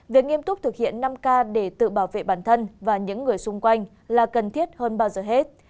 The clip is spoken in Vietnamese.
việc nghiêm túc thực hiện năm k để tự bảo vệ bản thân và những người xung quanh là cần thiết hơn bao giờ hết